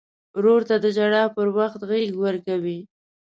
ورور ته د ژړا پر وخت غېږ ورکوي.